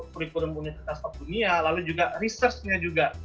kurikulum universitas pembangunan dunia lalu juga research nya juga